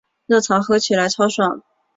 热茶喝起来超爽